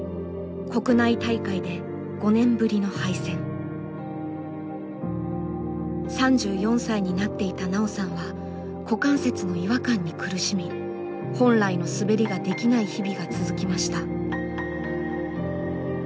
国内大会で３４歳になっていた奈緒さんは股関節の違和感に苦しみ本来の滑りができない日々が続きました。